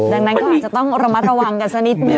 ดังนั้นก็อาจจะต้องระมัดระวังกันสักนิดนึ